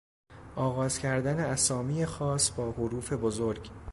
آغاز کردن اسامی خاص با حروف بزرگ